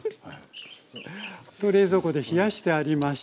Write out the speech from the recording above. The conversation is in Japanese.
冷蔵庫で冷やしてありました。